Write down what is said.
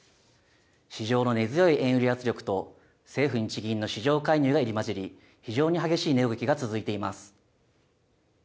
市場の根強い円売り圧力と政府・日銀の市場介入が入り交じり非常に激しい値動きが続いています。